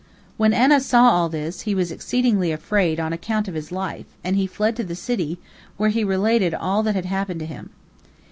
When Anah saw all this, he was exceedingly afraid on account of his life, and he fled to the city, where he related all that had happened to him.